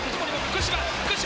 福島！